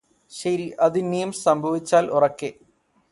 ശരി അതിനിയും സംഭവിച്ചാല് ഉറക്കെ